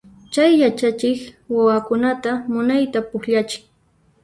Chay yachachiq wawakunata munayta pukllachin.